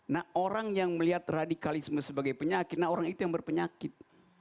nah orang yang melihat radikalisme sebagai penyakit nah orang itu yang berpenyakit